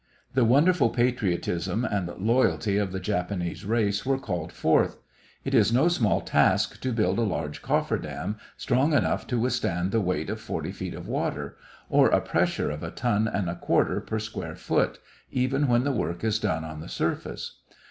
The wonderful patriotism and loyalty of the Japanese race were called forth. It is no small task to build a large coffer dam strong enough to withstand the weight of forty feet of water, or a pressure of a ton and a quarter per square foot, even when the work is done on the surface.